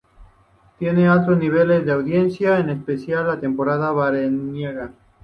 Tiene altos niveles de audiencia, en especial en temporada veraniega.